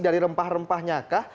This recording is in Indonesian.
dari rempah rempahnya kah